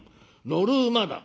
乗る馬だ」。